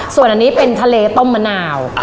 ส่วนอันนี้เป็นทะเลต้มมะนาว